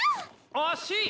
惜しい！